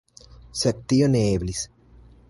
Sed tio ne eblis.